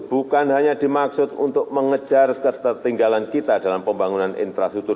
bukan hanya dimaksud untuk mengejar ketertinggalan kita dalam pembangunan infrastruktur